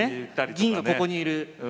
銀がここにいる。